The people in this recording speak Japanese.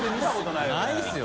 ないですよ。